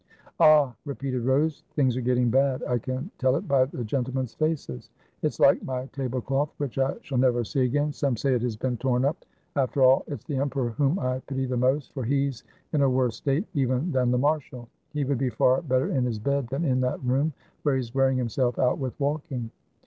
"Ah!" repeated Rose, "things are getting bad, I can tell it by the gentlemen's faces. It's like my tablecloth, which I shall never see again ; some say it has been torn up. After all, it's the emperor whom I pity the most, for he's in a worse state even than the marshal. He would be far better in his bed than in that room, where he's wearing himself out with walking."